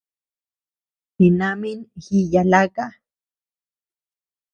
Jinamin jiya laka.